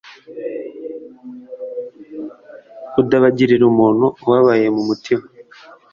udabagirira umuntu ubabaye mu mutima